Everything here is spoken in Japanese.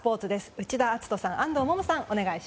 内田篤人さん、安藤萌々さん